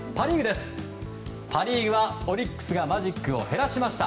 パ・リーグはオリックスがマジックを減らしました。